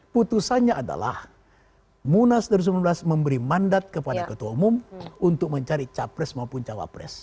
putusannya adalah munas dua ribu sembilan belas memberi mandat kepada ketua umum untuk mencari capres maupun cawapres